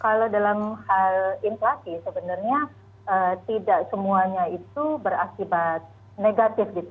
kalau dalam hal inflasi sebenarnya tidak semuanya itu berakibat negatif